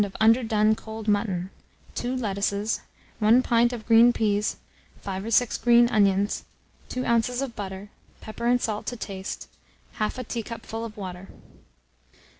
of underdone cold mutton, 2 lettuces, 1 pint of green peas, 5 or 6 green onions, 2 oz. of butter, pepper and salt to taste, 1/2 teacupful of water.